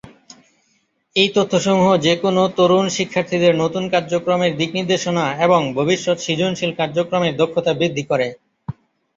এই তথ্য সমূহ যেকোন তরুণ শিক্ষার্থীদের নতুন কার্যক্রমের দিকনির্দেশনা এবং ভবিষ্যৎ সৃজনশীল কার্যক্রমের দক্ষতা বৃদ্ধি করে।